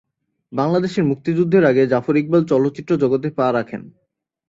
বাংলাদেশের মুক্তিযুদ্ধের আগে জাফর ইকবাল চলচ্চিত্র জগতে পা রাখেন।